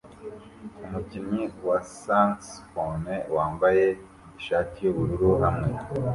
Umukinnyi wa saxofone wambaye ishati yubururu hamwe